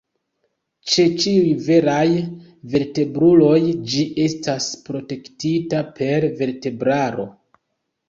Ĉe ĉiuj veraj vertebruloj ĝi estas protektita per vertebraro.